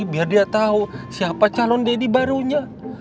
biar dia tau siapa calon daddy barunya